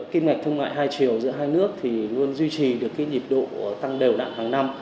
kinh ngạch thương mại hai chiều giữa hai nước luôn duy trì được nhiệt độ tăng đều nặng hàng năm